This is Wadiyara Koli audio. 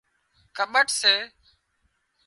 ڪٻٺ سي